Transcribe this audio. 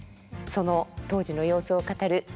その当時の様子を語る